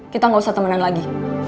kita gak usah temenan lagi